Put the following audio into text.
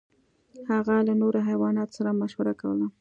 هغه له نورو حیواناتو سره مشوره کوله.